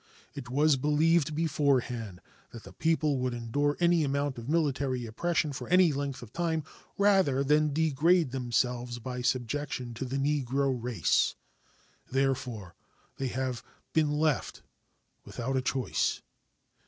It was believed beforehand that the people would endure any amount of military oppression for any length of time rather than degrade themselves by subjection to the Negro race. Therefore they have been left without a choice.